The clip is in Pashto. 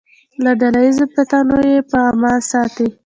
له ډله ییزو فتنو یې په امان کې ساتي.